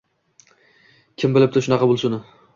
Kim bilibdi shunaqa bo‘lishini!